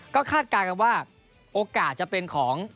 ก็คาดการณ์กันว่าโอกาสจะเป็นของ